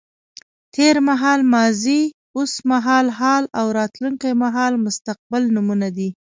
تېر مهال ماضي، اوس مهال حال او راتلونکی مهال مستقبل نومونه دي.